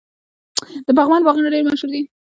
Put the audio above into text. د پغمان باغونه ډیر مشهور دي.